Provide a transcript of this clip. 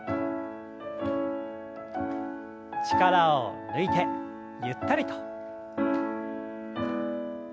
力を抜いてゆったりと。